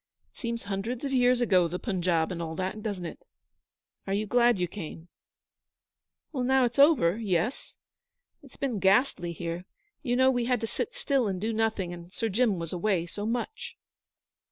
'It seems hundreds of years ago the Punjab and all that doesn't it? Are you glad you came?' 'Now it's all over, yes. It has been ghastly here. You know we had to sit still and do nothing, and Sir Jim was away so much.'